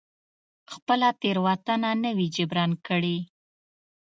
خپله تېروتنه نه وي جبران کړې.